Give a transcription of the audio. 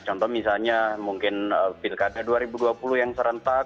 contoh misalnya mungkin pilkada dua ribu dua puluh yang serentak